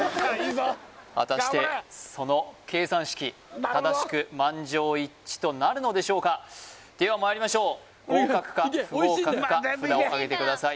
果たしてその計算式正しく満場一致となるのでしょうかではまいりましょう合格か不合格か札をあげてください